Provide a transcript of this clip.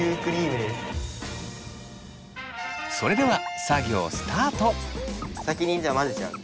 それでは作業先にじゃあ混ぜちゃう？